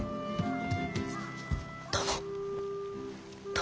殿。